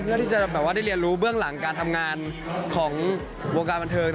เพื่อที่จะแบบว่าได้เรียนรู้เบื้องหลังการทำงานของวงการบันเทิง